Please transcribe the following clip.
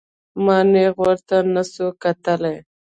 ما نېغ ورته نسو کتلى.